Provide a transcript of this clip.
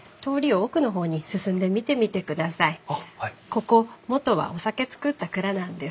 ここ元はお酒造った蔵なんです。